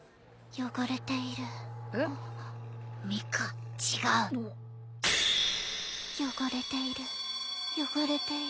汚れている汚れている汚れている。